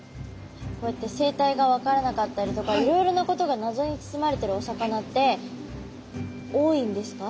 こうやって生態が分からなかったりとかいろいろなことが謎に包まれてるお魚って多いんですか？